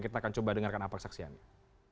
kita akan coba dengarkan apa kesaksiannya